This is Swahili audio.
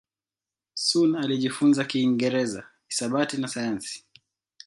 Sun alijifunza Kiingereza, hisabati na sayansi.